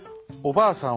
「ばあさん